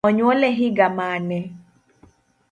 Onyuole higa mane?